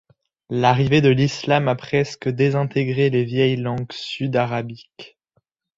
L'arrivée de l'islam a presque désintégré les vieilles langues sudarabiques.